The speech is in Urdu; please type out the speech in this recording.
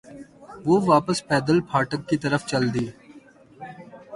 وہ واپس پیدل پھاٹک کی طرف چل دی۔